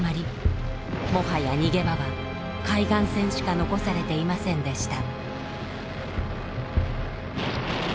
もはや逃げ場は海岸線しか残されていませんでした。